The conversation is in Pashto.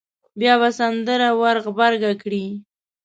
بیا به سندره ور غبرګه کړي.